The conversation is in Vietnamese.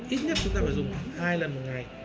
ít nhất chúng ta phải dùng hai lần một ngày